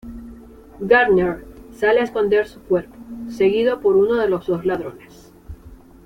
Gardner sale a esconder su cuerpo, seguido por uno de los dos ladrones.